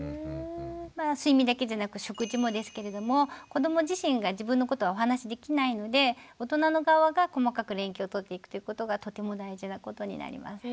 睡眠だけじゃなく食事もですけれども子ども自身が自分のことをお話しできないので大人の側が細かく連携をとっていくということがとても大事なことになります。